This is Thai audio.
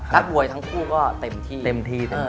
ดรับบวยทั้งคู่ก็เต็มที่